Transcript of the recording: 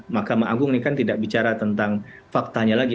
ma ini kan tidak bicara tentang faktanya lagi